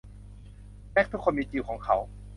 แจ็คทุกคนมีจิลของเขา